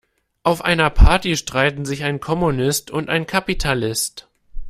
Auf einer Party streiten sich ein Kommunist und ein Kapitalist.